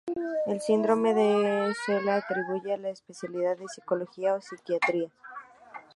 El síndrome de se le atribuye a la especialidad de psicología o psiquiatría.